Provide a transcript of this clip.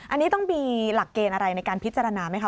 อันนี้ต้องมีหลักเกณฑ์อะไรในการพิจารณาไหมคะ